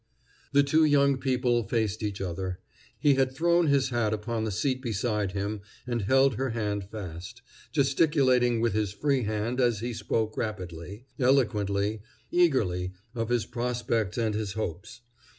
The two young people faced each other. He had thrown his hat upon the seat beside him and held her hand fast, gesticulating with his free hand as he spoke rapidly, eloquently, eagerly of his prospects and his hopes.